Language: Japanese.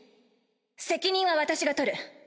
責任は私が取る。